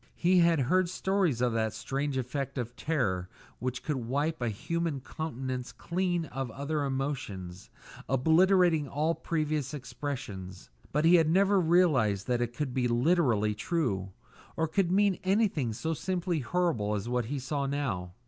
He had heard stories of that strange effect of terror which could wipe a human countenance clean of other emotions, obliterating all previous expressions; but he had never realised that it could be literally true, or could mean anything so simply horrible as what he now saw.